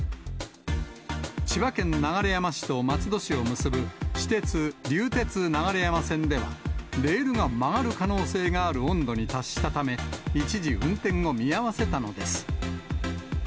千葉県流山市と松戸市を結ぶ私鉄、流鉄流山線では、レールが曲がる可能性がある温度に達したため、一時、運転を見合わせたのです。